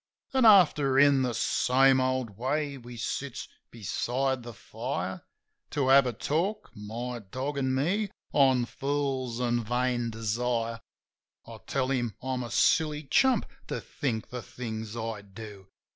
An' after, in the same old way, we sits beside the fire, To have a talk, my dog an' me, on fools an' vain desire. I tell him I'm a silly chump to think the things I do.